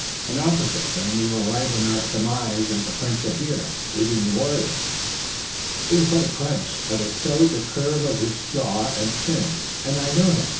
"An officer. Then we were right in our surmise that the French are here, leading the warriors." "It was but a glimpse, but it showed the curve of his jaw and chin, and I knew him.